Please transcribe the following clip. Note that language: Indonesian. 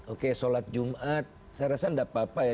oke sholat jumat saya rasa tidak apa apa ya